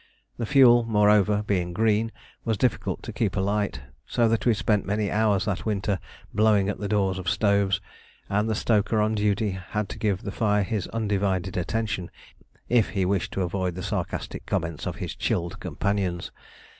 The fuel, moreover, being green, was difficult to keep alight, so that we spent many hours that winter blowing at the doors of stoves; and the stoker on duty had to give the fire his undivided attention if he wished to avoid the sarcastic comments of his chilled companions.